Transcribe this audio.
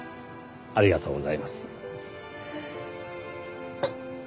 ありがとうございます。